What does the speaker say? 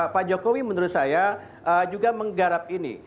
pak jokowi menurut saya juga menggarap ini